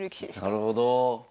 なるほど。